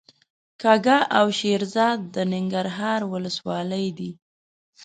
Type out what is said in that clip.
کږه او شیرزاد د ننګرهار ولسوالۍ دي.